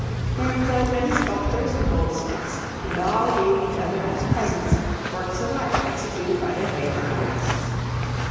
They employed many sculptors and goldsmiths, and all gave each other as presents works of art executed by their favourite artists.